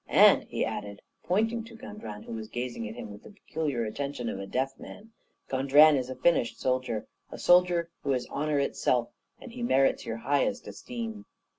And," he added, pointing to Gondrin, who was gazing at him with the peculiar attention of a deaf man, "Gondrin is a finished soldier, a soldier who is honour itself, and he merits your highest esteem.